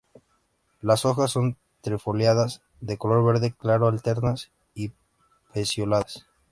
Las hojas son trifoliadas, de color verde claro, alternas y pecioladas.